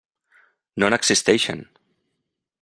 No n'existeixen.